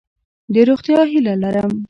د روغتیا هیله لرم.